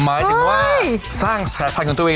หมายถึงว่าสร้างสายพันธุ์ของตัวเอง